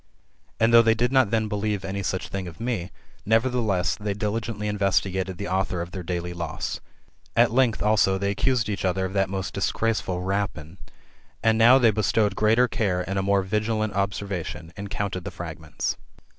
And though they did not then believe any such thing of me, nevertheless, they diligently investigated the author of their daily loss. At length, also, they accused each other of that most disgraceful rapine. And now they bestowed greater care, and a more vigilant observation, and counted the fragments.